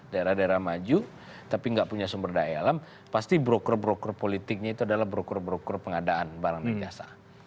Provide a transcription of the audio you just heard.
daerah daerah maju tapi nggak punya sumber daya alam pasti broker broker politiknya itu adalah broker broker pengadaan barang dan jasa